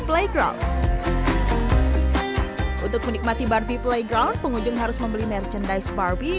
playground untuk menikmati barbie playground pengunjung harus membeli merchandise barbie